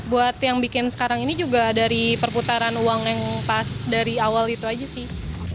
buat yang bikin sekarang ini juga dari perputaran uang yang pas dari awal itu aja sih